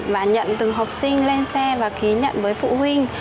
và nhận từng học sinh lên xe và ký nhận với phụ huynh